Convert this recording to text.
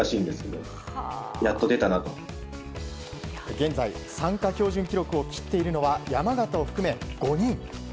現在参加標準記録を切っているのは山縣を含め５人。